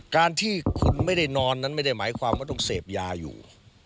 การที่คุณไม่ได้นอนนั้นไม่ได้หมายความว่าต้องเสพยาอยู่